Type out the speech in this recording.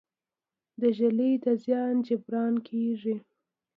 د ږلۍ د زیان جبران کیږي؟